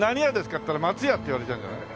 って言ったら松屋って言われちゃうんじゃない？